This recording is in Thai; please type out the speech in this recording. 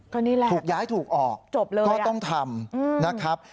ก็นี่แหละจบเลยละก็ต้องทำนะครับถูกย้ายถูกออกนะครับ